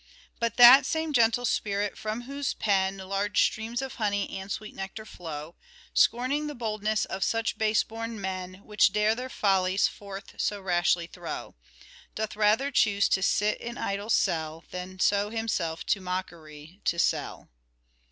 " But that same gentle spirit from whose pen Large streams of honey and sweet nectar flow, Scorning the boldness of such base born men, Which dare their follies forth so rashly throw, Doth rather choose to sit in idle cell, Than so himself to mockery to sell."